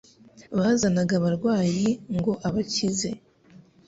bazanaga abarwayi ngo abakize,